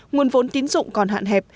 nguồn vốn tín dụng còn hạn hẹp